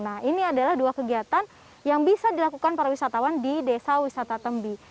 nah ini adalah dua kegiatan yang bisa dilakukan para wisatawan di desa wisata tembi